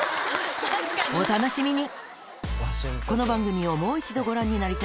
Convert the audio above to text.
お楽しみに！